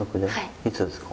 いつですか？